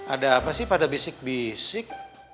ada apa sih pada bisik bisik